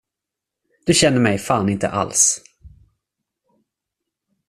Du känner mig fan inte alls!